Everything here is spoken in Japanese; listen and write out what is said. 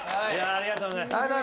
ありがとうございます。